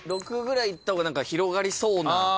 ６ぐらいいった方が広がりそうな。